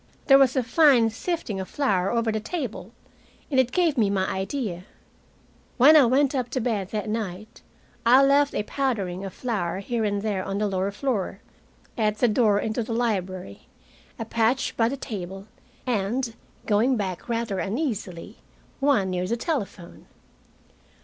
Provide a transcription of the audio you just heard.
There was a fine sifting of flour over the table, and it gave me my idea. When I went up to bed that night, I left a powdering of flour here and there on the lower floor, at the door into the library, a patch by the table, and going back rather uneasily one near the telephone.